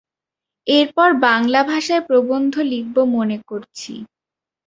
এরপর বাঙলা ভাষায় প্রবন্ধ লিখব মনে করছি।